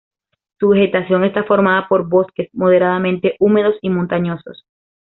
Su vegetación está formada por bosques moderadamente húmedos y montañosos.